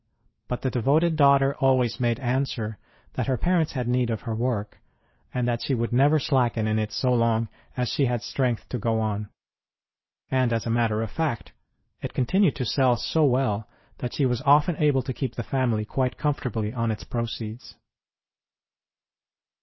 But the devoted daughter always made answer that her parents had need of her work, and that she would never slacken in it so long as she had strength to go on ; and, as a matter of fact, it continued to sell so well that she was often able to keep the family quite com fortably on its proceeds.